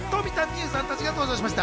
生さんたちが登場しました。